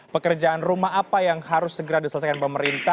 pekerjaan rumah apa yang harus segera diselesaikan pemerintah